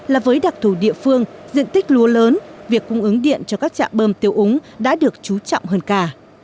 là với đặc thù địa phương diện tích lúa lớn việc cung ứng điện cho các trạm bơm tiêu úng đã được chú trọng hơn cả